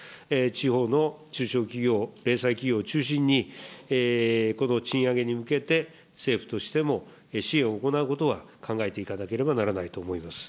地方の中小企業、零細企業を中心に、この賃上げに向けて政府としても支援を行うことは、考えていかなければならないと思います。